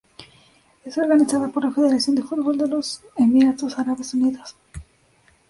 Es organizada por la Federación de Fútbol de los Emiratos Árabes Unidos.